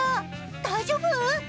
大丈夫！？